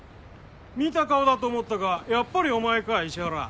見た顔だと思ったがやっぱりお前か石原。